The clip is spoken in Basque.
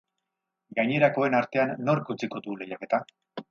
Gainerakoen artean, nork utziko du lehiaketa?